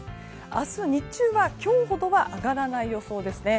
明日日中は、今日ほどは上がらない予想ですね。